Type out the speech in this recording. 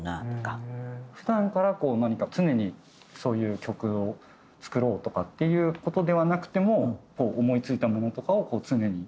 普段から何か常にそういう曲を作ろうとかっていう事ではなくても思い付いたものとかを常に。